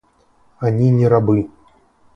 Они не рабы!